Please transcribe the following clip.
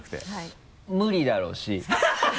無理だろうし。